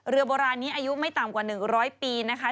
เรือโบราณนี้อายุไม่ต่ำกว่าหนึ่งร้อยปีนะครับ